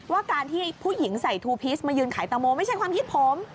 ว่าการที่ผู้หญิงใส่ทูพีชมายืนขายตังโมไม่ใช่ความคิดผม